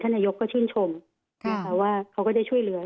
ท่านนายก็ชื่นชมว่าเขาก็ได้ช่วยเหลือ